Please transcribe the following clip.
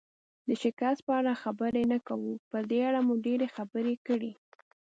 د شکست په اړه خبرې نه کوو، په دې اړه مو ډېرې خبرې کړي.